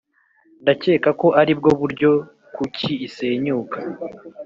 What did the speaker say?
ndakeka ko aribwo buryo kuki isenyuka.